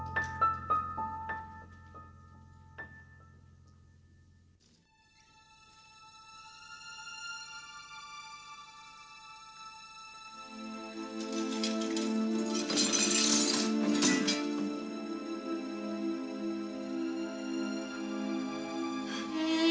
jangan sudah pagi lagi